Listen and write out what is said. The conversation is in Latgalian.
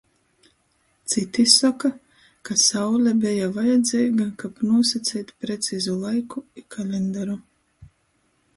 Cyti soka, ka Saule beja vajadzeiga, kab nūsaceit precizu laiku i kalendaru.